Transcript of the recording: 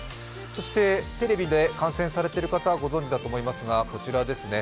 そして、テレビで観戦されている方ご存じかと思いますがこちらですね